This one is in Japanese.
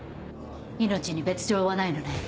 命に別条はないのね。